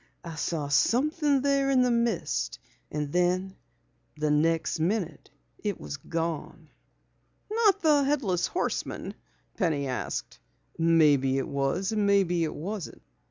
I saw something there in the mist and then the next minute it was gone." "Not the Headless Horseman?" Penny asked. "Maybe it was, maybe it wasn't.